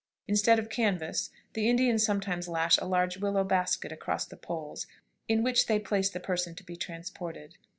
Instead of canvas, the Indians sometimes lash a large willow basket across the poles, in which they place the person to be transported.